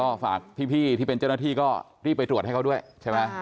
ก็ฝากพี่ที่เป็นเจ้าหน้าที่ก็รีบไปตรวจให้เขาด้วยใช่ไหม